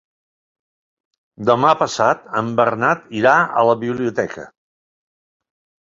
Demà passat en Bernat irà a la biblioteca.